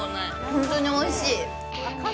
本当においしい。